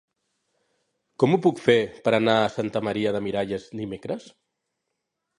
Com ho puc fer per anar a Santa Maria de Miralles dimecres?